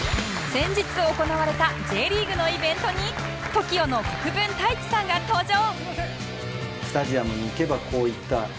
先日行われた Ｊ リーグのイベントに ＴＯＫＩＯ の国分太一さんが登場